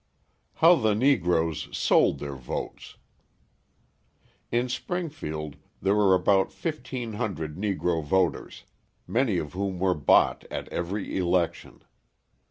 How the Negroes Sold Their Votes In Springfield there were about 1,500 Negro voters, many of whom were bought at every election.